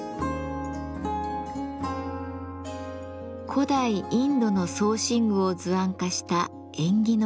古代インドの装身具を図案化した縁起のいい丸文。